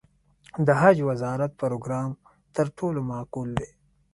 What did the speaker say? د حج وزارت پروګرام تر ټولو معقول دی.